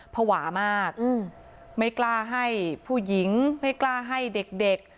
ภาวะมากไม่กล้าให้ผู้หญิงไม่กล้าให้เด็ก